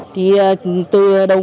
thì tôi đồng ý